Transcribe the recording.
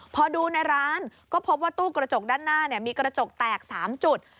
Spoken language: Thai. พอดูในร้านก็พบว่าตู้กระจกด้านหน้ามีกระจกแตก๓จุด